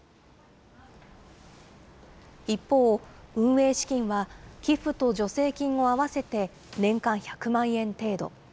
一方、運営資金は寄付と助成金を合わせて年間１００万円程度。